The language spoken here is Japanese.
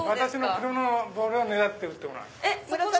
黒のボールを狙って打ってもらう。